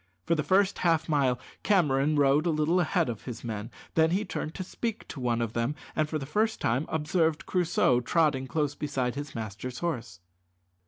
For the first half mile Cameron rode a little ahead of his men, then he turned to speak to one of them, and for the first time observed Crusoe trotting close beside his master's horse.